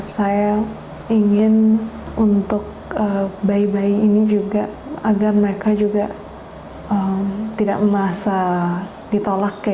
saya ingin untuk bayi bayi ini juga agar mereka juga tidak merasa ditolak ya